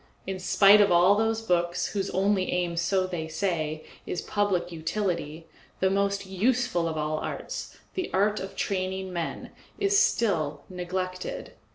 In spite of all those books, whose only aim, so they say, is public utility, the most useful of all arts, the art of training men, is still neglected.